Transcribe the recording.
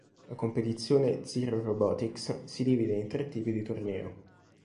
La competizione Zero Robotics si divide in tre tipi di torneo.